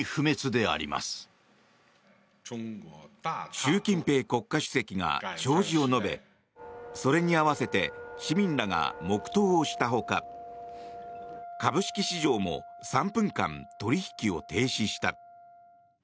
習近平国家主席が弔辞を述べそれに合わせて市民らが黙祷をしたほか株式市場も３分間取引を停止した。